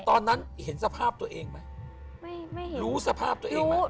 ตอนนั้นเห็นสภาพตัวเองไหมไม่ไม่รู้สภาพตัวเองไหม